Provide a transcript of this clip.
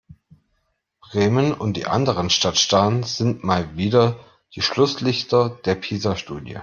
Bremen und die anderen Stadtstaaten sind mal wieder die Schlusslichter der PISA-Studie.